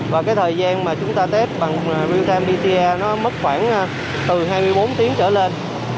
và cái thời gian mà chúng ta test bằng real time pcr nó mất khoảng từ hai mươi bốn tiếng trở lên